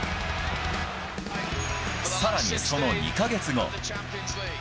さらにその２か月後。